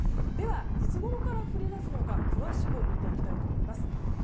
では、いつごろから降り出すのか詳しく見ていきたいと思います。